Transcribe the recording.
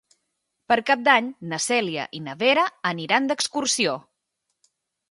Per Cap d'Any na Cèlia i na Vera aniran d'excursió.